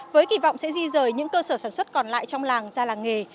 với kỳ vọng sẽ di rời những cơ sở sản xuất còn lại trong làng ra làng nghề